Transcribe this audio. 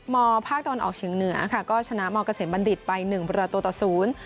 มภาคโตนออกเฉียงเหนือค่ะก็ชนะมเกษียณบัณฑิตไป๑บริเวณตัวต่อ๐